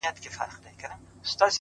خدايه هغه داسي نه وه”